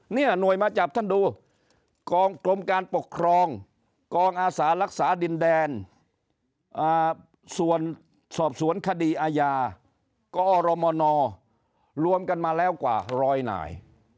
หน่วยมาจับท่านดูกองกรมการปกครองกองอาสารักษาดินแดนส่วนสอบสวนคดีอาญากอรมนรวมกันมาแล้วกว่าร้อยนาย